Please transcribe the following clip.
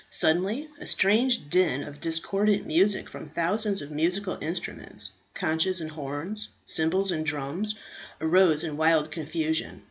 Suddenly a strange din of discordant music from thousands of musical instruments conches and horns, cymbals and drums, arose in wild confusion.